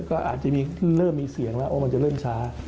ก็อาจจะเริ่มมีเสียงแล้วว่ามันจะเริ่มช้า